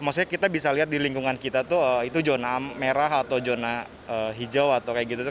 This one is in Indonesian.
maksudnya kita bisa lihat di lingkungan kita tuh itu zona merah atau zona hijau atau kayak gitu